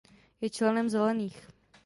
Je členem Zelených.